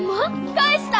返した？